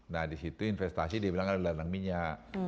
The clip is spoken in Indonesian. nah di situ investasi dibilang adalah nanak minyak